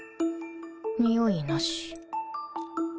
においなし